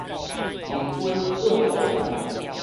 面巾搵予澹